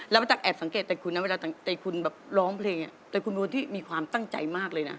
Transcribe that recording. แล้วป้าตั๊แอบสังเกตแต่คุณนะเวลาคุณแบบร้องเพลงแต่คุณเป็นคนที่มีความตั้งใจมากเลยนะ